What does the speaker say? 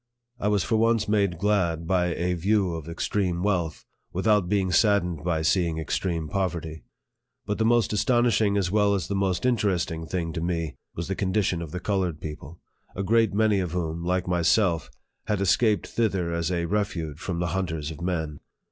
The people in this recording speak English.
I was for once made glad by a view of extreme wealth, without being saddened by seeing extreme poverty. But the most astonishing as well as the most interesting thing to me was the con dition of the colored people, a great many of whom, like myself, had escaped thither as a refuge from the hunters of men.